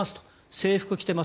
制服着てます